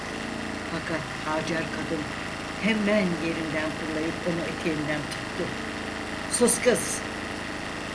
Fakat Hacer kadın hemen yerinden fırlayıp onu eteğinden tuttu: "Sus kız!"